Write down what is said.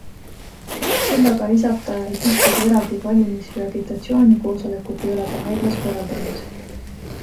Küll aga lisab ta, et ühtegi eraldi valimis- või agitatsioonikoosolekut ei ole ta haiglas korraldanud.